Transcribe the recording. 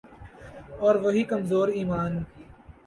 اور وہی کمزور ایمان۔